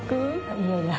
いやいや。